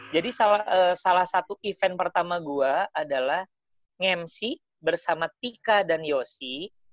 jadi salah satu event pertama gue adalah nge mc bersama tika dan yosi